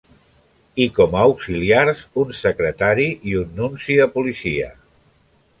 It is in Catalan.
I com a auxiliars, un secretari i un nunci de policia.